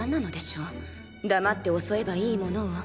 黙って襲えばいいものを。